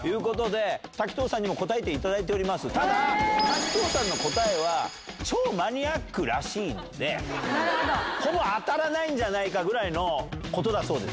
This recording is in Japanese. ただ滝藤さんの答えは超マニアックらしいのでほぼ当たらないんじゃないかぐらいのことだそうです。